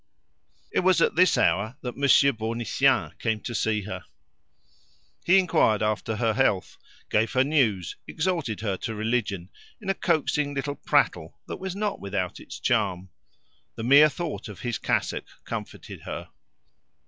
It was at this hour that Monsieur Bournisien came to see her. He inquired after her health, gave her news, exhorted her to religion, in a coaxing little prattle that was not without its charm. The mere thought of his cassock comforted her.